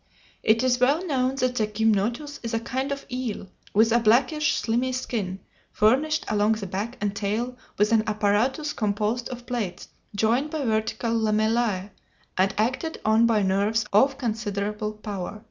It is well known that the gymnotus is a kind of eel, with a blackish, slimy skin, furnished along the back and tail with an apparatus composed of plates joined by vertical lamellæ, and acted on by nerves of considerable power.